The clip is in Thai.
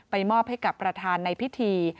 มอบให้กับประธานในพิธี